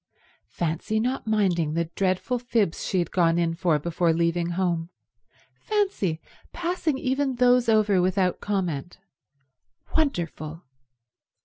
Fancy not minding the dreadful fibs she had gone in for before leaving home; fancy passing even those over without comment. Wonderful.